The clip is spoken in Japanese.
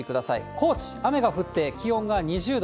高知、雨が降って気温が２０度。